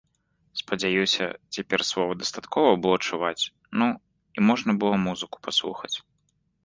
Спадзяюся, цяпер словы дастаткова было чуваць, ну, і можна было музыку паслухаць.